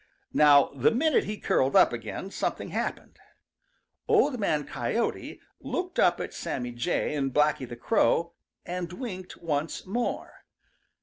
Now the minute he curled up again something happened. Old Man Coyote looked up at Sammy Jay and Blacky the Crow and winked once more.